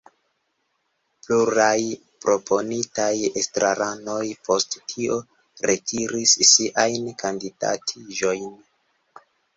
Pluraj proponitaj estraranoj post tio retiris siajn kandidatiĝojn.